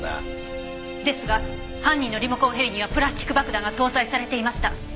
ですが犯人のリモコンヘリにはプラスチック爆弾が搭載されていました。